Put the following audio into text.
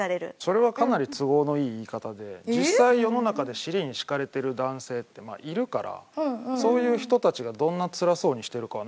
それはかなり都合のいい言い方で実際世の中で尻に敷かれてる男性っているからそういう人たちがどんなつらそうにしてるかは。